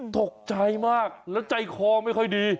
ตกใจมากแล้วใจคอไม่ค่อยดี